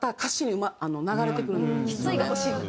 「きつい」が欲しいんだ。